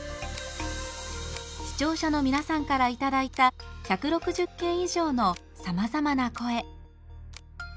視聴者の皆さんから頂いた１６０件以上のさまざまな声。